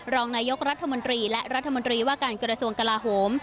รองนายกรัฐมนตรีและรัฐมนตรีว่าการกระทรวงกลาโหม